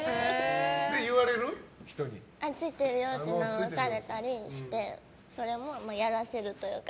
ついてるよって直されたりしてそれもやらせるというか。